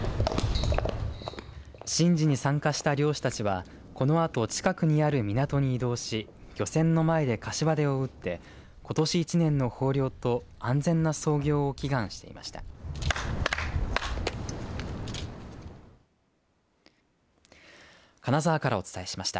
神事に参加した漁師たちはこのあと近くにある港に移動し漁船の前でかしわ手を打ってことし一年の豊漁と安全な操業を祈願していました。